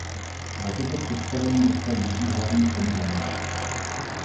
Za toto představení dostal Jiří hlavní cenu za režii.